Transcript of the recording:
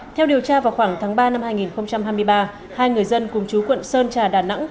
theo điều tra vào khoảng tháng ba năm hai nghìn hai mươi ba hai người dân cùng chú quận sơn trà đà nẵng